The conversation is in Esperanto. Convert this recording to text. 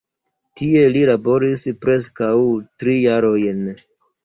Tie li laboris preskaŭ tri jarojn.